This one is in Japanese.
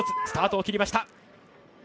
スタートを切りました。